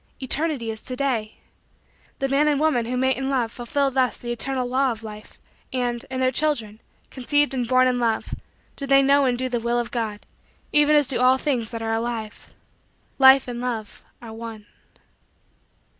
Eternity is to day. The man and woman who mate in love fulfill thus the eternal law of Life, and, in their children, conceived and born in Love, do they know and do the will of God, even as do all things that are alive. Life and Love are one.